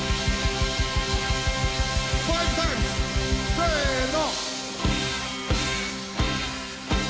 せの。